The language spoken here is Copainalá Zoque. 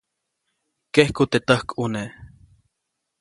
Kejku teʼ täjkʼune.